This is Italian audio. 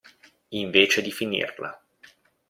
Invece di finirla.